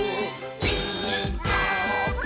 「ピーカーブ！」